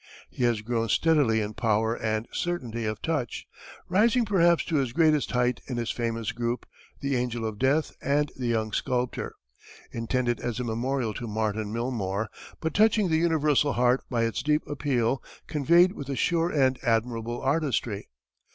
He has grown steadily in power and certainty of touch, rising perhaps to his greatest height in his famous group, "The Angel of Death and the Young Sculptor," intended as a memorial to Martin Milmore, but touching the universal heart by its deep appeal, conveyed with a sure and admirable artistry.